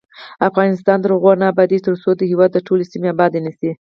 افغانستان تر هغو نه ابادیږي، ترڅو د هیواد ټولې سیمې آبادې نه شي.